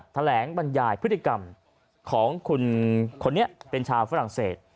แถลงบรรยายพฤติกรรมของคุณคนนี้เป็นชาวฝรั่งเศส